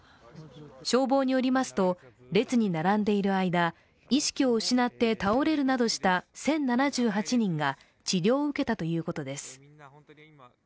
消防によりますと、列に並んでいる間、意識を失って倒れるなどした１０７８人が治療を受けたということです。